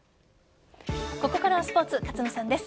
ここからはスポーツ勝野さんです。